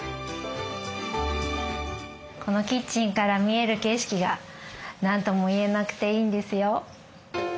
このキッチンから見える景色が何とも言えなくていいんですよ。